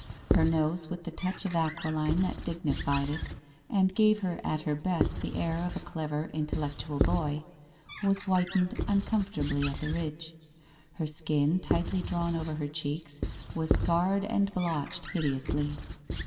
Her nose, with the touch of aquiline that dignified it and gave her at her best the air of a clever intellectual boy, was whitened uncomfortably on the Tidge. Her skin, tightly drawn over her cheeks, was scarred and blotched hide ously.